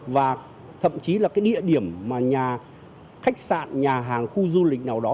và thậm chí là cái địa điểm mà nhà khách sạn nhà hàng khu du lịch nào đó